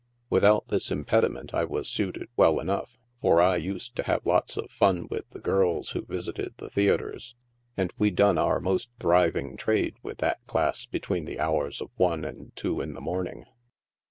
Without this impediment I was suited well enough, for I used to have lots of fun with the girls who visited the theatres, and we done our most thriving trade with that class between the hours of one and two in the morning.